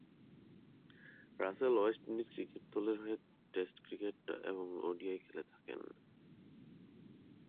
Rasel West Indies cricket দলের হয়ে test cricket এবং ওডিআই খেলে থাকেন।